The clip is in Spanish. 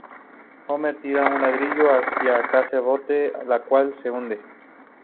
Homer tira un ladrillo hacia la casa-bote, la cual se hunde.